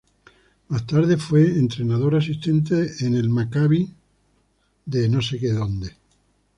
Más tarde fue entrenador asistente en el Maccabi Tel Aviv.